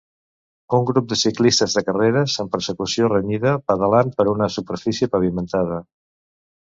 Un grup de ciclistes de carreres en persecució renyida, pedalant per una superfície pavimentada.